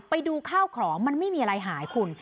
ไปดูข้าวของมันไม่มีอะไรหายคุณ